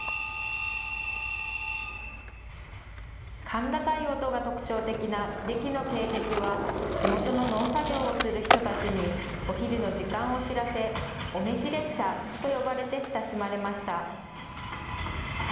甲高い音が特徴的なデキの警笛は地元の農作業をする人たちにお昼の時間を知らせお飯列車と呼ばれて親しまれました。